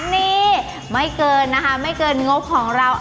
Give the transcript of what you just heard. นี่ไม่เกินนะคะไม่เกินงบของเรา